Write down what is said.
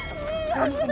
tidak kamu pembohong